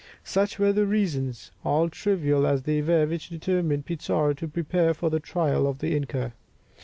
Such were the reasons, all trivial as they were, which determined Pizarro to prepare for the trial of the inca.